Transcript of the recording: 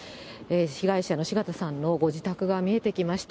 被害者の四方さんのご自宅が見えてきました。